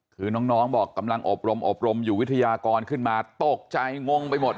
คือน้องบอกกำลังอบรมอบรมอยู่วิทยากรขึ้นมาตกใจงงไปหมด